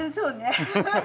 ハハハハ。